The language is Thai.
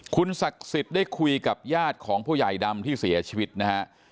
คุณศักดิ์สิทธิ์ได้คุยกับญาติของผู้ใหญ่ดำที่เสียชีวิตนะฮะ